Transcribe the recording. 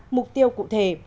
ba mục tiêu cụ thể